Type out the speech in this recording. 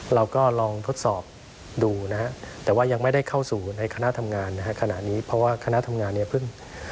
เราก็ลองทดสอบดูนะฮะแต่ว่ายังไม่ได้เข้าสู่ในคณะทำงานนะฮะขณะนี้เพราะว่าคณะทำงานเนี่ยเพิ่ง